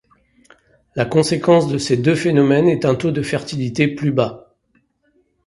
La conséquence de ses deux phénomènes est un taux de fertilité plus bas.